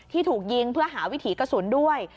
ที่ถูกยิงเพื่อหาวิถีกระสุนด้วย